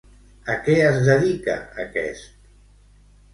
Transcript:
A què es dedica aquest?